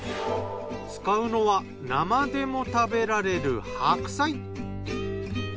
使うのは生でも食べられる白菜。